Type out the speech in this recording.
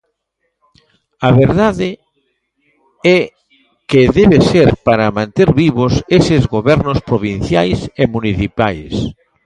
A verdade é que debe ser para manter vivos eses gobernos provinciais e municipais.